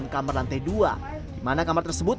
kamar lantai dua dimana kamar tersebut